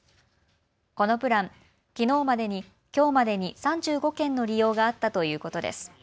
このプラン、きょうまでに３５件の利用があったということです。